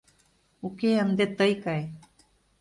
— Уке... ынде тый кай...